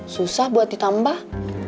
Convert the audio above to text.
susah buat ditambah